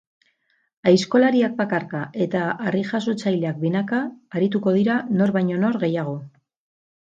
Aizkolariak bakarka eta harrijasotzaileak binaka arituko dira nor baino nor gehiago.